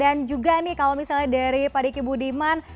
dan juga nih kalau misalnya dari pak diki budiman